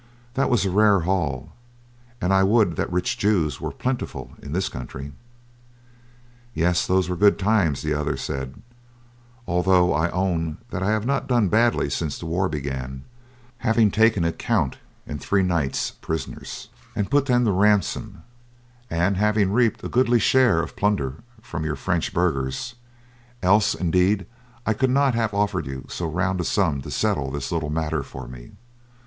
That was a rare haul, and I would that rich Jews were plentiful in this country. "Yes, those were good times," the other said, "although I own that I have not done badly since the war began, having taken a count and three knights prisoners, and put them to ransom, and having reaped a goodly share of plunder from your French burghers, else indeed I could not have offered you so round a sum to settle this little matter for me.